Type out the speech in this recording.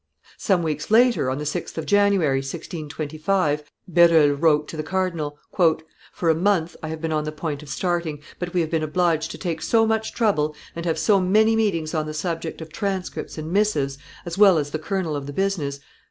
Some weeks later, on the 6th of January, 1625, Berulle wrote to the cardinal, "For a month I have been on the point of starting, but we have been obliged to take so much trouble and have so many meetings on the subject of transcripts and missives as well as the kernel of the business